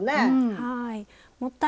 はい。